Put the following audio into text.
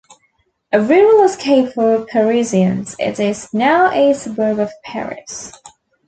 A rural escape for Parisians, it is now a suburb of Paris.